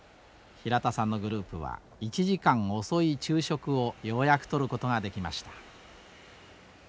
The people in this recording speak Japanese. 平田さんのグループは１時間遅い昼食をようやくとることができました。